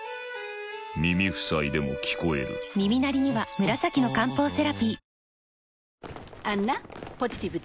耳塞いでも聞こえる耳鳴りには紫の漢方セラピー